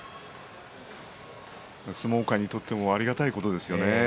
相撲界にとってもありがたいことですよね。